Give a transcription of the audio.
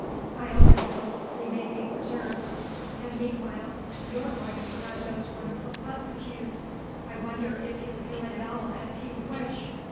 I only hope we may be preserved.... And meanwhile you're going to run those wonderful clubs of Hugh's. I wonder if you'll do it at all as he would wish!